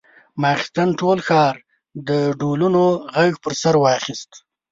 ماخستن ټول ښار د ډولونو غږ پر سر واخيست.